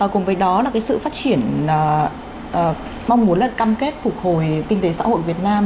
cùng với đó là cái sự phát triển mong muốn là cam kết phục hồi kinh tế xã hội việt nam